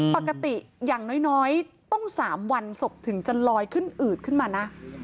อย่างน้อยต้อง๓วันศพถึงจะลอยขึ้นอืดขึ้นมานะ